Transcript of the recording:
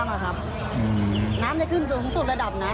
น้ำจะขึ้นสูงสุดระดับน้ำ